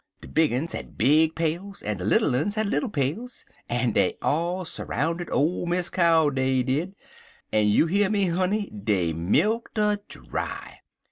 De big uns had big pails, en de little uns had little pails. En dey all s'roundid ole Miss Cow, dey did, en you hear me, honey, dey milk't 'er dry.